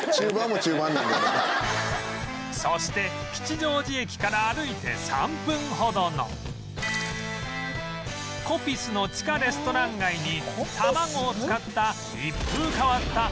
そして吉祥寺駅から歩いて３分ほどのコピスの地下レストラン街に卵を使った